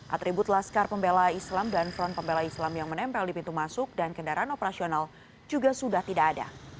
atribut laskar pembela islam dan front pembela islam yang menempel di pintu masuk dan kendaraan operasional juga sudah tidak ada